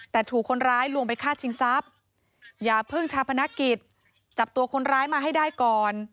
แต่ถูกคนร้ายลวงไปฆ่าชิงทรัพย์อย่าเพิ่งชาพนักกิจจับตัวคนร้ายมาให้ได้ก่อน